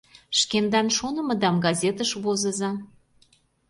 Шкендан шонымыдам газетыш возыза.